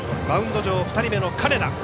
マウンド上、２人目の金田。